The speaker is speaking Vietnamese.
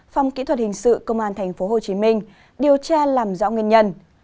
phòng kỹ thuật hình sự công an tp hcm điều tra làm rõ nguyên nhân